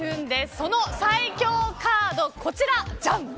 その最強カードこちら、じゃん。